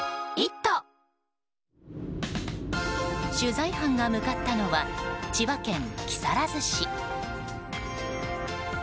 取材班が向かったのは千葉県木更津市。